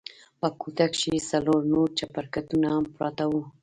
په کوټه کښې څلور نور چپرکټونه هم پراته وو.